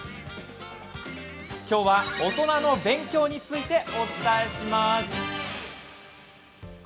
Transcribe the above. きょうは、おとなの勉強についてお伝えします。